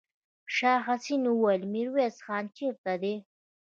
شاه حسين وويل: ميرويس خان چېرته دی؟